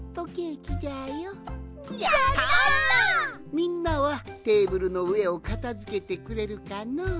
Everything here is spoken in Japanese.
みんなはテーブルのうえをかたづけてくれるかのう？